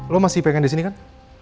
lo masih pengen disini kan